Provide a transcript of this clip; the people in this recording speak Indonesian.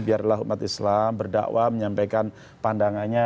biarlah umat islam berdakwah menyampaikan pandangannya